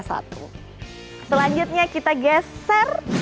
selanjutnya kita geser